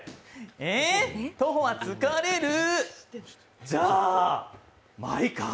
え、徒歩は疲れるじゃ、マイカー？